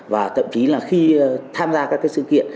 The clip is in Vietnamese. và thậm chí là khi tham gia các sự kiện